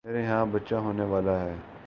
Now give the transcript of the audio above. میرے ہاں بچہ ہونے والا ہے